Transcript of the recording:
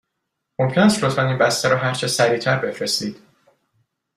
ممکن است لطفاً این بسته را هرچه سریع تر بفرستید؟